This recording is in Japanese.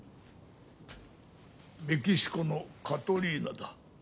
メキシコのカトリーナだ。